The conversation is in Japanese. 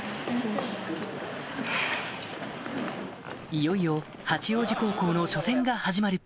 いよいよ八王子高校の初戦が始まる